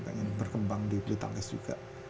pengen berkembang di bulu tangkis juga